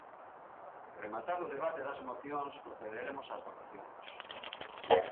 Rematado o debate das mocións, procederemos ás votacións.